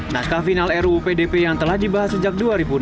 naskah final ruu pdp yang telah dibahas sejak dua ribu enam belas